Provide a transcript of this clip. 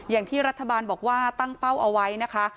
อย่างที่รัฐบาลบอกว่าตั้งเป้าเอาไว้นะคะ